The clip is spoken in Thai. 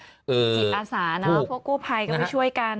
จิตอาสานะเพราะกู้ภัยกำลังช่วยกัน